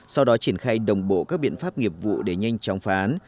sau đó triển khai đồng bộ các biện pháp nghiệp vụ để nhanh chóng phá án